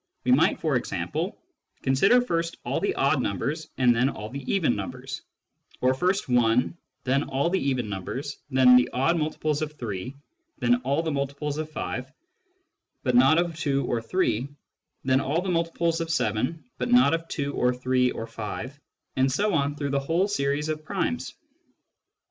We might, for example, consider first all the odd numbers and then all the even numbers ; or first I, then all the even numbers, then all the odd multiples of 3, then all the multiples of 5 but not of 2 or 3, then all the multiples of 7 but not of 2 or 3 or 5, and so on through the whole series of primes.